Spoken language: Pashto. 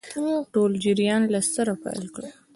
ټول جریان له سره پیل کړي.